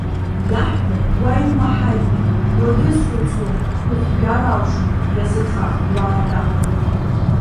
Иаҳҳәо уа иумаҳаитеи, уагьазхәыцуам, ухәжәар алшоит, иазырха, уаатәа…